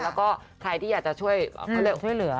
แล้วก็ใครที่อยากจะช่วยเขาเรียกช่วยเหลือ